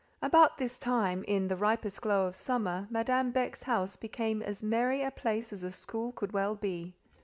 About this time—in the ripest glow of summer—Madame Beck's house became as merry a place as a school could well be.